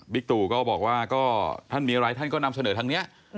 ตู่ก็บอกว่าก็ท่านมีอะไรท่านก็นำเสนอทางนี้